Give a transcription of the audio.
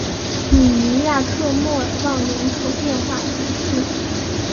米尼亚克莫尔旺人口变化图示